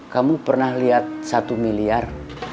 kamu pernah lihat satu miliar